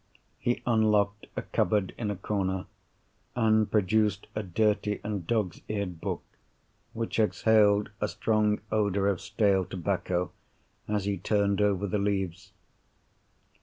He unlocked a cupboard in a corner, and produced a dirty and dog's eared book, which exhaled a strong odour of stale tobacco as he turned over the leaves.